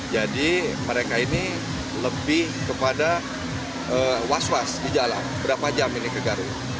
jadi mereka ini lebih kepada was was di jalan berapa jam ini ke garut